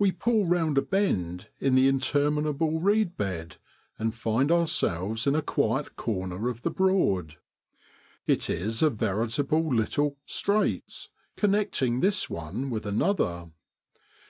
We pull round a bend in the interminable reed bed, and find ourselves in a quiet corner of the Broad. It is a veritable little ' straits,' connecting this one with another.